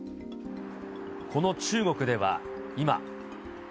この中国では、今。